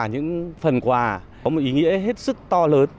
những phần quà có một ý nghĩa hết sức to lớn